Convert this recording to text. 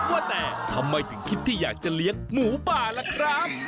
ว่าแต่ทำไมถึงคิดที่อยากจะเลี้ยงหมูป่าล่ะครับ